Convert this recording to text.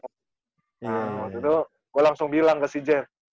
nah waktu itu gua langsung bilang ke si jen